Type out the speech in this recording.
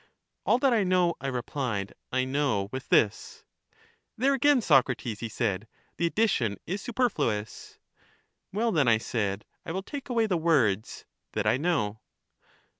All that I know, I replied, I know with this. There again, Socrates, he said, the addition is su perfluous. Well, then, I said, I will take away the words, " that I know."